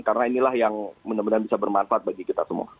karena inilah yang benar benar bisa bermanfaat bagi kita semua